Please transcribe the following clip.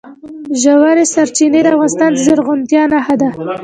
ژورې سرچینې د افغانستان د زرغونتیا نښه ده.